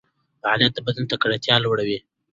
فعالیت د بدن تکړتیا لوړوي.